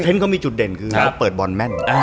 เขามีจุดเด่นคือเขาเปิดบอลแม่น